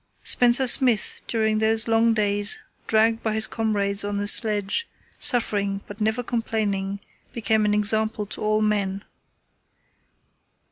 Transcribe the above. Spencer Smith during those long days, dragged by his comrades on the sledge, suffering but never complaining, became an example to all men.